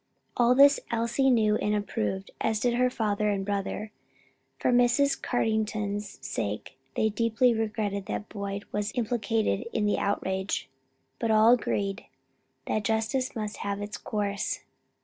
All this Elsie knew and approved, as did her father and brother. For Mrs. Carrington's sake they deeply regretted that Boyd was implicated in the outrage; but all agreed that justice must have its course.